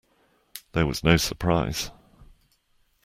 There was no surprise.